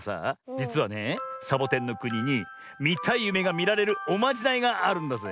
じつはねえサボテンのくににみたいゆめがみられるおまじないがあるんだぜえ。